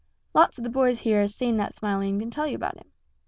Lots of the boys here has seen that Smiley and can tell you about him.